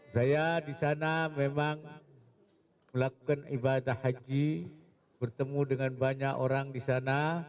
saya disana memang melakukan ibadah haji bertemu dengan banyak orang disana